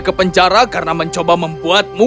ke penjara karena mencoba membuatmu